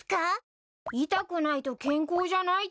痛くないと健康じゃないってこと？